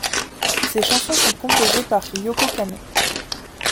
Ses chansons sont composées par Yoko Kanno.